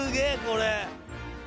これ。